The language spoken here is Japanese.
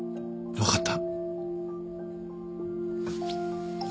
分かった